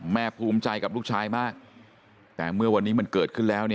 ภูมิใจกับลูกชายมากแต่เมื่อวันนี้มันเกิดขึ้นแล้ว